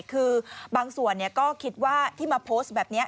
คือบางส่วนก็คิดว่าที่มาโพสต์แบบนี้